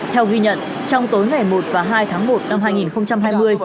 theo ghi nhận trong tối ngày một và hai tháng một năm hai nghìn hai mươi